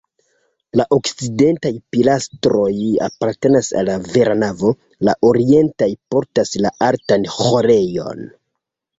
La okcidentaj pilastroj apartenas al la vera navo, la orientaj portas la altan ĥorejon.